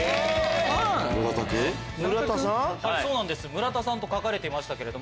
村田さんと書かれてましたけれども。